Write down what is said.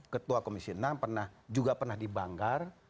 ketua komisi enam juga pernah dibanggar